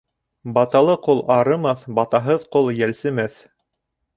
Баталы ҡол арымаҫ, батаһыҙ ҡол йәлсемәҫ.